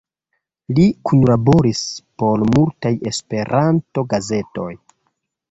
Li kunlaboris por multaj Esperanto-gazetoj.